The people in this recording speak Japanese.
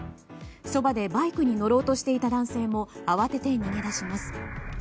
そばでバイクに乗ろうとしていた男性も慌てて逃げ出します。